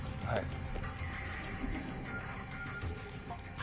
はい。